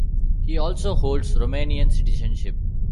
He also holds Romanian citizenship.